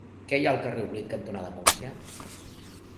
Què hi ha al carrer Oblit cantonada Múrcia?